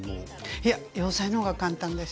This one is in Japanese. いや洋裁の方が簡単です。